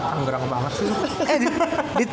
kan gerak banget sih